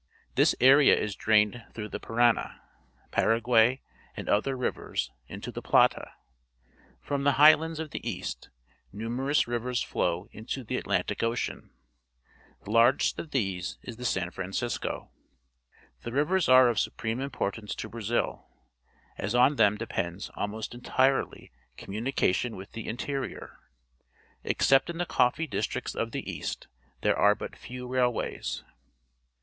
This area is drained through the Parana, Paraguay, and other rivers, into the Plata. From the highlands of the east, numerous rivers flow into the Atlantic Ocean. The largest of these is 154 PUBLIC SCHOOL GEOGRAPHY the Sao Francisco. The miers are of su preme irnportaace to Brazil, as on them depends almost entirely coniniunication with the interior. Except in the coffee districts of the east, there are but few railways.